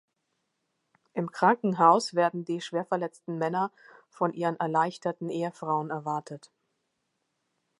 Im Krankenhaus werden die schwerverletzten Männer von ihren erleichterten Ehefrauen erwartet.